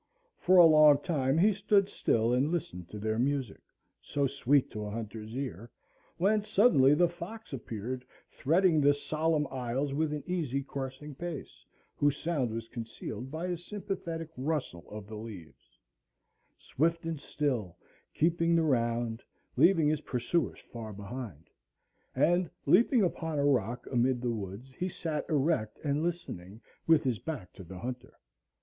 For a long time he stood still and listened to their music, so sweet to a hunter's ear, when suddenly the fox appeared, threading the solemn aisles with an easy coursing pace, whose sound was concealed by a sympathetic rustle of the leaves, swift and still, keeping the ground, leaving his pursuers far behind; and, leaping upon a rock amid the woods, he sat erect and listening, with his back to the hunter.